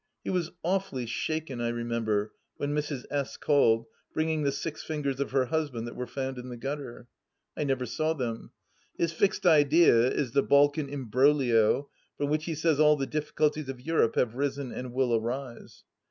He was awfully shaken, I remember, when Mrs. S. called, bringing the six fingers of her husband that were found in the gutter. I never saw them. His fixed idea is the Balkan Imbroglio, from which he says all the difficulties of Europe have risen and will arise.